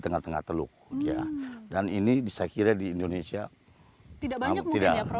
tengah tengah teluk ya dan ini saya kira di indonesia tidak banyak mungkin ya provinsi provinsi